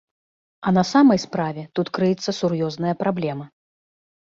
А на самай справе тут крыецца сур'ёзная праблема.